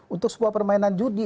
untuk sebuah permainan judi